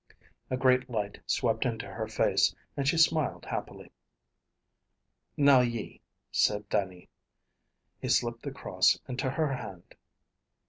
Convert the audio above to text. A great light swept into her face, and she smiled happily. "Now ye," said Dannie. He slipped the cross into her hand.